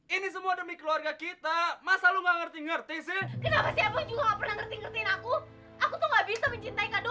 ini semua demi keluarga kita masa lu gak ngerti ngerti sih